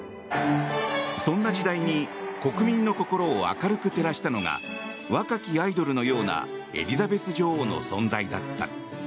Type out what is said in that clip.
そんな時代に、国民の心を明るく照らしたのが若きアイドルのようなエリザベス女王の存在だった。